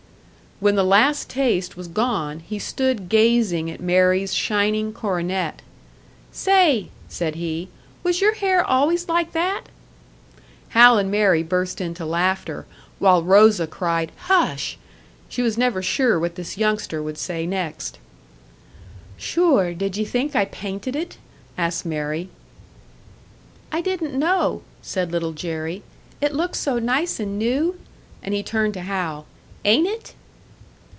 When the last taste was gone, he stood gazing at Mary's shining coronet. "Say," said he, "was your hair always like that?" Hal and Mary burst into laughter, while Rosa cried "Hush!" She was never sure what this youngster would say next. "Sure, did ye think I painted it?" asked Mary. "I didn't know," said Little Jerry. "It looks so nice and new." And he turned to Hal. "Ain't it?"